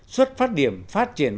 suất phát điểm phát triển